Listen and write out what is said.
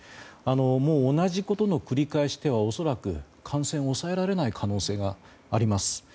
もう、同じことの繰り返しでは恐らく感染を抑えられない可能性があります。